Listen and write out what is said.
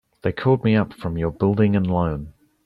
They called me up from your Building and Loan.